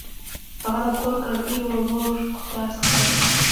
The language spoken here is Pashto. هغه د کور کړکۍ ورو خلاصه کړه.